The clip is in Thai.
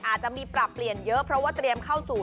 อาจจะมีปรับเปลี่ยนเยอะเพราะว่าเตรียมเข้าสู่